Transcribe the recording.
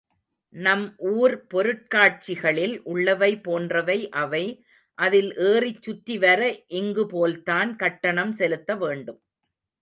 நம் ஊர் பொருட்காட்சிகளில் உள்ளவை போன்றவை அவை, அதில் ஏறிச் சுற்றி வர இங்குபோல்தான் கட்டணம் செலுத்த வேண்டும்.